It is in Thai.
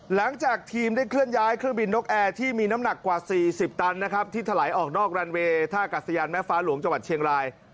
หลังจากทีมได้เคลื่อนย้ายเครื่องบินนกแอร์ที่มีน้ำหนักกว่า๔๐ตันนะครับที่ถลายออกนอกรันเวย์ท่ากัศยานแม่ฟ้าหลวงจังหวัดเชียงราย